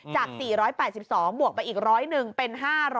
จาก๔๘๒บวกไปอีก๑๐๑เป็น๕๘๒